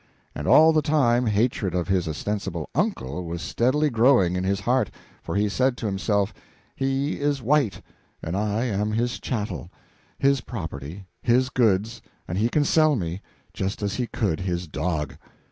And all the time, hatred of his ostensible "uncle" was steadily growing in his heart; for he said to himself, "He is white; and I am his chattel, his property, his goods, and he can sell me, just as he could his dog."